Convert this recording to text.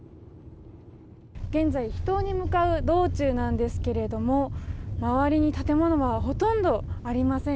現在、秘湯に向かう道中なんですけど周りに建物がほとんどありません。